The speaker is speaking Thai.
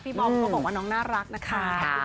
พี่พ่อพูดมาว่าน้องน่ารักนะคะ